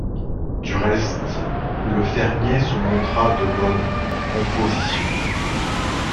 Du reste, le fermier se montra de bonne composition.